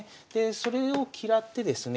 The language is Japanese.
それを嫌ってですね